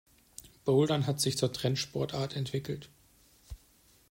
Bouldern hat sich zur Trendsportart entwickelt.